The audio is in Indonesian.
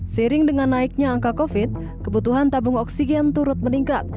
sering dengan naiknya angka covid kebutuhan tabung oksigen turut meningkat